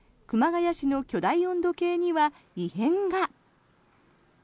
熊谷市の巨大温度計には異変が。